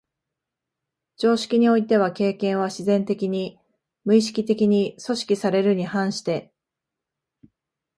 常識においては経験は自然的に、無意識的に組織されるに反して、